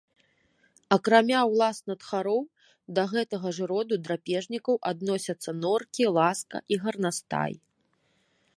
Акрамя ўласна тхароў, да гэтага ж роду драпежнікаў адносяцца норкі, ласка і гарнастай.